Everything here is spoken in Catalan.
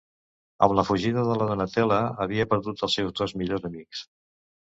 Amb la fugida de la Donatella, havia perdut els seus dos millors amics.